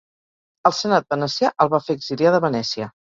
El senat venecià el va fer exiliar de Venècia.